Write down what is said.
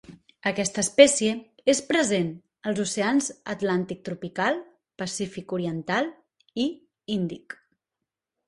Aquesta espècie és present als oceans Atlàntic tropical, Pacífic oriental i Índic.